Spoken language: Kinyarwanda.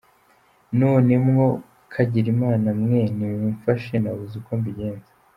None mwo kagirimana mwe nimumfashe nabuze uko mbigenza.